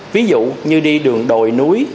ví dụ như đi đường đồi núi